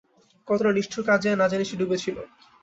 কতটা নিষ্ঠুর কাজে না জানি সে ডুবে ছিল?